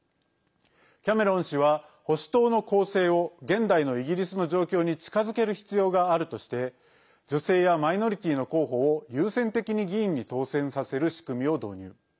キャメロン氏は、保守党の構成を現代のイギリスの状況に近づける必要があるとして女性やマイノリティーの候補を優先的に議員に当選させる仕組みを導入。